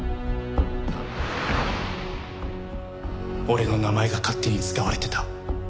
俺の名前が勝手に使われてた。